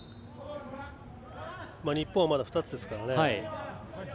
日本はまだ２つですね。